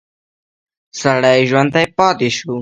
سړی ژوندی پاتې شو.